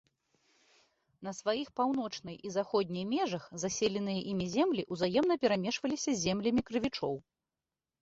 На сваіх паўночнай і заходняй межах заселеныя імі землі ўзаемна перамешваліся з землямі крывічоў.